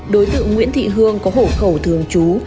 đối tượng nguyễn thị hương có hộ khẩu thường trú